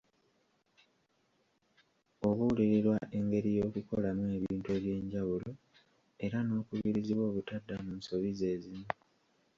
Obuulirirwa engeri y'okukolamu ebintu eby'enjawulo era n'okubirizibwa obutadda mu nsobi ze zimu.